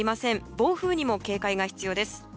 暴風にも警戒が必要です。